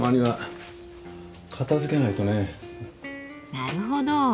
なるほど。